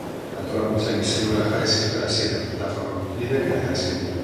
Antolakuntzari izen hura jarri zioten hasieran, plataformako kideek adierazi dutenez.